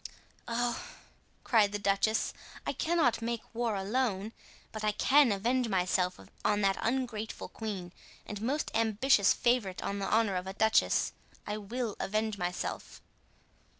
"Oh," cried the duchess, "I cannot make war alone, but I can avenge myself on that ungrateful queen and most ambitious favorite on the honor of a duchess, I will avenge myself."